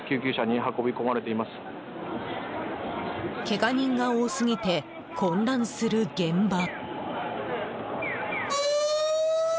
けが人が多すぎて混乱する現場。